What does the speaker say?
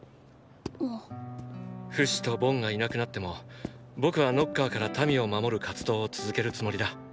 フシとボンがいなくなっても僕はノッカーから民を守る活動を続けるつもりだ。